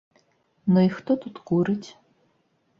Ну і хто тут курыць?